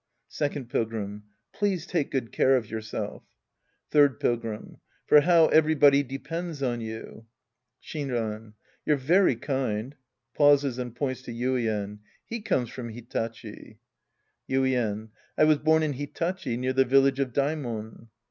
Second Pilgrim. Please take good care of yourself. Third Pilgrim. For how everybody depends on you ! Shinran. You're very kind. {Pauses and points to YuiEN.) He comes from Hitachi. Yuien. I was born in Hitachi near the village of Daimon.